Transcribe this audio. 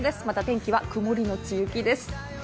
また、天気は曇りのち雪です。